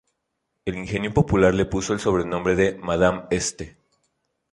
El ingenio popular le puso el sobrenombre de "Madame Este".